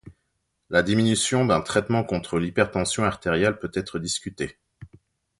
La diminution d'un traitement contre l'hypertension artérielle peut être discuté.